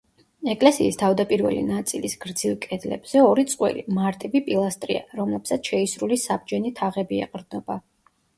ეკლესიის თავდაპირველი ნაწილის გრძივ კედლებზე ორი წყვილი, მარტივი პილასტრია, რომლებსაც შეისრული საბჯენი თაღები ეყრდნობა.